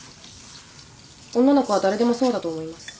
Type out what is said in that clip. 女の子は誰でもそうだと思います。